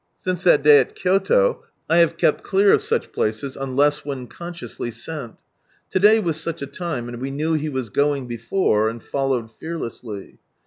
Since that day at Kyoto, I have kept clear of such places, unless when consciously sent. To day was such a time, and we knew He was " going before " and followed fearlessly.